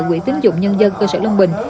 quỹ tính dụng nhân dân cơ sở long bình